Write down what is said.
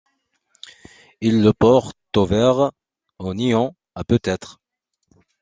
Ils le portent aux vers, au néant, à Peut-Être!